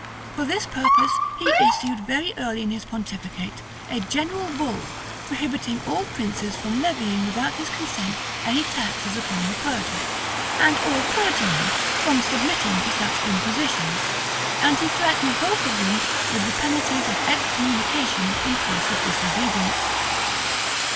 For this purpose he issued very early in his pontificate a general bull, prohibiting all princes from levying without his consent any taxes upon the clergy, and all clergymen from submitting to such impositions; and he threatened both of them with the penalties of excommunication in case of disobedience.